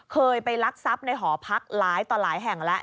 เคยไปลักทรัพย์ในหอพักหลายต่อหลายแห่งแล้ว